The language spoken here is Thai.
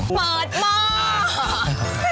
เปิดหม้อ